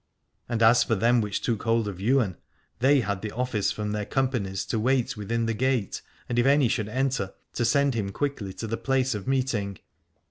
And as for them 240 Aladore which took hold of Ywain, they had the office from their companies to wait within the gate, and if any should enter, to send him quickly to the place of meeting.